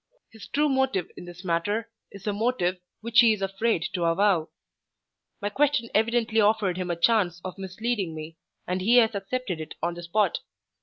"His true motive in this matter is a motive which he is afraid to avow. My question evidently offered him a chance of misleading me, and he has accepted it on the spot.